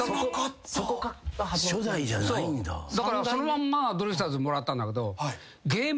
だからそのまんまドリフターズもらったんだけど。